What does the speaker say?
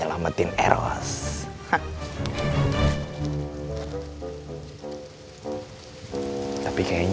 ya aku mau ke pasar cihidung